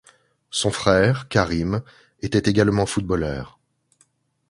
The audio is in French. Son frère, Karim, était également footballeur.